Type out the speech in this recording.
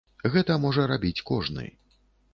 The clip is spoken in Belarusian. Гэта можа рабіць кожны.